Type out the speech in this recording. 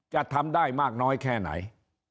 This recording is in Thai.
จะทำได้มากน้อยแค่ไหน